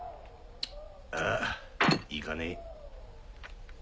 ああ行かねえ。